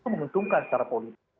itu menguntungkan secara politik